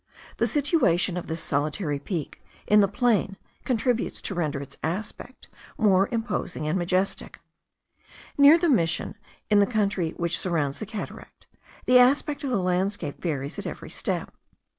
The situation of this solitary peak in the plain contributes to render its aspect more imposing and majestic. Near the Mission, in the country which surrounds the cataract, the aspect of the landscape varies at every step.